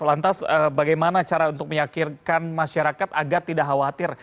lantas bagaimana cara untuk meyakinkan masyarakat agar tidak khawatir